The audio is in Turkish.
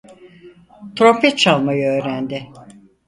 Trompet çalmayı öğrendi.